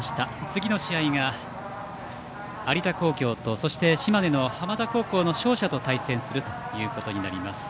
次の試合が有田工業とそして島根の浜田高校の勝者と対戦することになります。